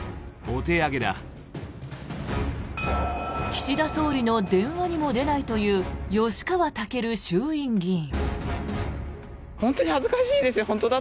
岸田総理の電話にも出ないという吉川赳衆院議員。